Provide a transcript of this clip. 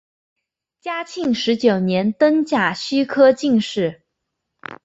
嘉庆十九年登甲戌科进士。